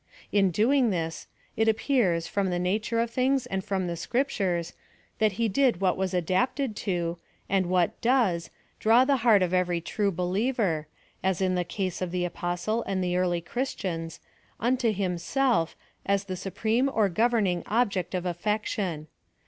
In doing this, it appears, from the nature of things and from the scriptures, that he did what was adapted to, and what does, draw the heart of everv tnie believer — as in the case of the PLAN OP SALVATION. 193 apostle and the early christians — nnto himself, as the supreme or governing object of affection.